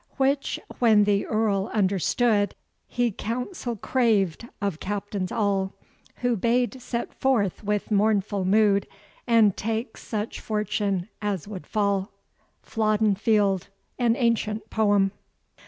Which when the Earl understood, He council craved of captains all, Who bade set forth with mournful mood, And take such fortune as would fall. FLODDEN FIELD, AN ANCIENT POEM.